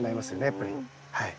やっぱりはい。